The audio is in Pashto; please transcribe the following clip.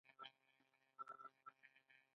دوزخ د چا ځای دی؟